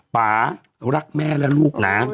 ป่ารักแม่และลูกนะ